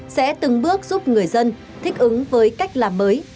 sẽ từng bước giúp người dân thích ứng với cách làm mới